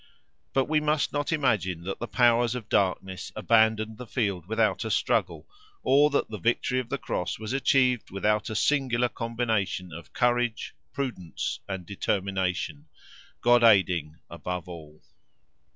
But we must not imagine that the powers of darkness abandoned the field without a struggle, or that the victory of the cross was achieved without a singular combination of courage, prudence, and determination—God aiding above all.